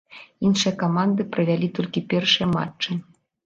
Іншыя каманды правялі толькі першыя матчы.